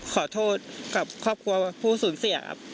ขอโทษกับครอบครัวผู้สูญเสียครับ